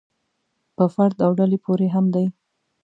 په فرد او ډلې پورې هم دی.